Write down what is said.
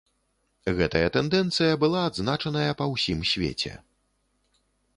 Гэтая тэндэнцыя была адзначаная па ўсім свеце.